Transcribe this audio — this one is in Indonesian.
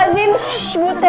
sini disini tahan